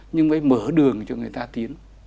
nhưng phải mở đường cho người ta tiến